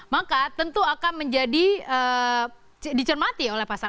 maka tentu akan menjadi dicermati oleh pasangan